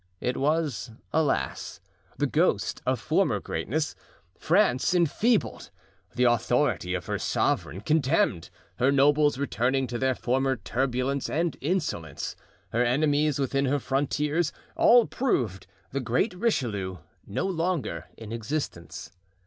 It was, alas! the ghost of former greatness. France enfeebled, the authority of her sovereign contemned, her nobles returning to their former turbulence and insolence, her enemies within her frontiers—all proved the great Richelieu no longer in existence.